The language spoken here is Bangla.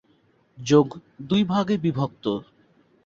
যোগ দুই ভাগে বিভক্ত।